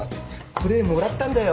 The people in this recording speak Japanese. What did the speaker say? これもらったんだよ。